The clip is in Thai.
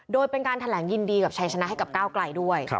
โดยเป็นการแถลงยินดีกับชัยชนะให้กับก้าวไกลด้วย